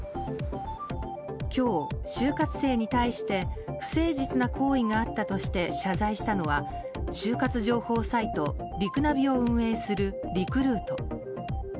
今日、就活生に対して不誠実な行為があったとして謝罪したのは、就活情報サイトリクナビを運営するリクルート。